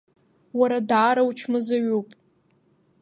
Уара даара учмазаҩуп.